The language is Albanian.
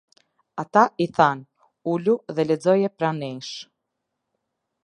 Ata i thanë: "Ulu dhe lexoje para nesh".